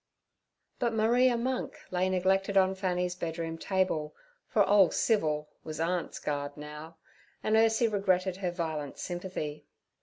But 'Maria Monk' lay neglected on Fanny's bedroom table, for 'Ole Civil' was aunt's guard now, and Ursie regretted her violent sympathy.